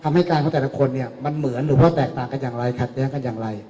ทำให้การของคนเหมือนแตกต่างอย่างไร